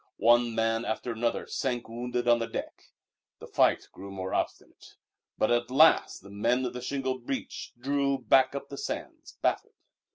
One man after another sank wounded on the deck. The fight grew more obstinate, but at last the men of the beach drew back up the sands, baffled.